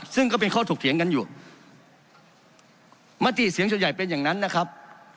ซึ่งก็เป็นข้อถกเถียงกันอยู่มติเสียงส่วนใหญ่เป็นอย่างนั้นนะครับ